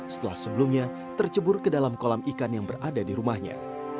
setelah sebelumnya tercebur ke dalam kolam ikan yang berada di rumahnya